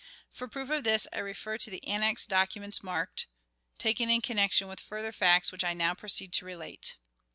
For proof of this, I refer to the annexed documents marked, (?) taken in connection with further facts, which I now proceed to relate.